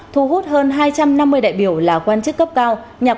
thu hút hơn hai trăm năm mươi đại biểu là quan chức cấp cao